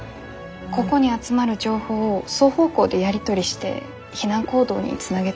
ここに集まる情報を双方向でやり取りして避難行動につなげたいんです。